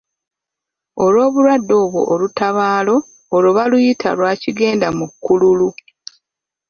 Olw'obulwadde obwo olutabaalo olwo baaluyita lwa Kigendamukululu.